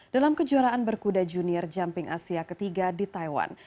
dalam kejuaraan berkuda junior jumping asia ketiga di taiwan